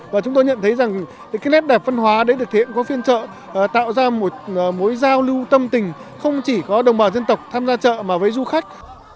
và chúng tôi nhận thấy rằng cái nét đẹp văn hóa đấy thực hiện có phiên trợ tạo ra một mối giao lưu tâm tình không chỉ có đồng bào dân tộc tham gia chợ mà với du khách